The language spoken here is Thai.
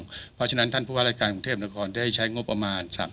เพราะฉะนั้นท่านผู้ว่ารายการกรุงเทพนครได้ใช้งบประมาณ๓๐